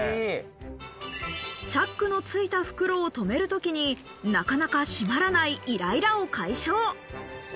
チャックのついた袋をとめる時に、なかなかしまらないイライラを解消。